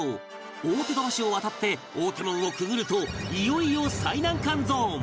大手土橋を渡って大手門をくぐるといよいよ最難関ゾーン